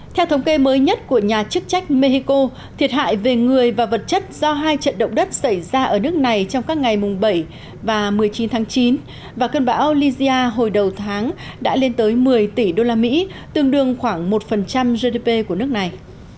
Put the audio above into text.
theo thống kê mới nhất của nhà chức trách mexico thiệt hại về người và vật chất do hai trận động đất xảy ra ở nước này trong các ngày mùng bảy và một mươi chín tháng chín và cơn bão lizia hồi đầu tháng đã lên tới một mươi tỷ usd tương đương khoảng một gdp của nước này